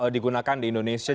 digunakan di indonesia